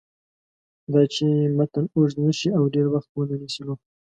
داچې متن اوږد نشي او ډېر وخت ونه نیسي نو